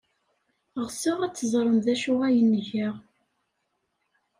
Ɣseɣ ad teẓrem d acu ay nga.